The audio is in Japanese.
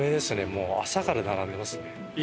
もう朝から並んでますね。